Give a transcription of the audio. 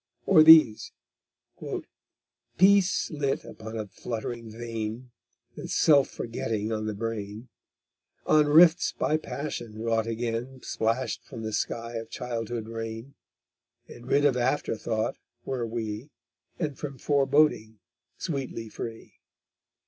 Or these: _Peace lit upon a fluttering vein, And self forgetting on the brain; On rifts by passion wrought again Splashed from the sky of childhood rain, And rid of afterthought were we And from foreboding sweetly free.